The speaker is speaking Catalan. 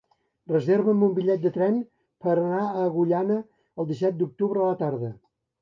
Reserva'm un bitllet de tren per anar a Agullana el disset d'octubre a la tarda.